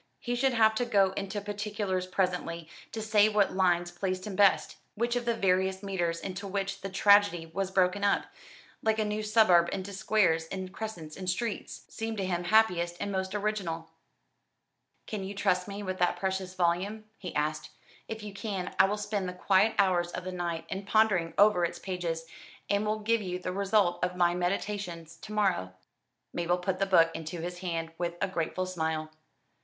He should have to go into particulars presently, to say what lines pleased him best, which of the various meters into which the tragedy was broken up like a new suburb into squares and crescents and streets seemed to him happiest and most original. "Can you trust me with that precious volume?" he asked. "If you can, I will spend the quiet hours of the night in pondering over its pages, and will give you the result of my meditations to morrow." Mabel put the book into his hand with a grateful smile.